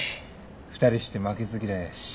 ２人して負けず嫌いやし。